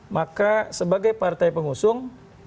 maka sebagai partai pengusung